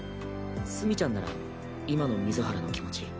墨ちゃんなら今の水原の気持ち